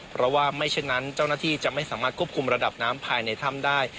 เพราะว่าไม่เช่นนั้นเจ้าหน้าที่จะไม่สามารถควบคุมระดับน้ำภายในถ้ำได้